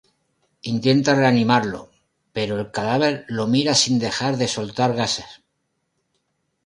Intenta reanimarlo, pero el cadáver lo mira sin dejar de soltar gases.